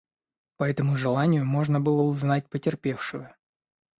По этому желанию можно было узнать потерпевшую.